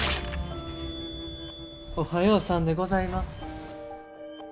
おはようさんでございます。